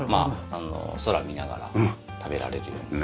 空を見ながら食べられるように。